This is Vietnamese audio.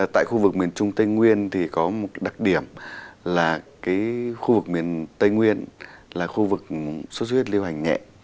tại khu vực miền trung tây nguyên thì có một đặc điểm là khu vực miền tây nguyên là khu vực xuất huyết liêu hành nhẹ